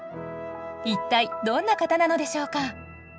一体どんな方なのでしょうか？